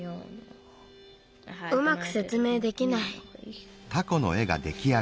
うまくせつめいできない。